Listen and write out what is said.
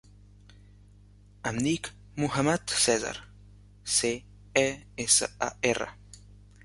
Em dic Muhammad Cesar: ce, e, essa, a, erra.